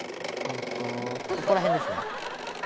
ここら辺ですね。